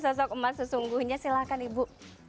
sosok emas sesungguhnya silahkan ibu